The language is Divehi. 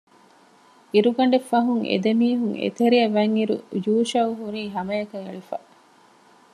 އިރުގަނޑެއް ފަހުން އެދެމީހުން އެތެރެއަށް ވަތްއިރު ޔޫޝައު ހުރީ ހަމައަކަށް އެޅިފަ